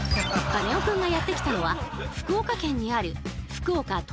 カネオくんがやって来たのは福岡県にある福岡都市高速。